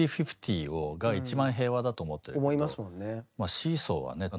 シーソーはね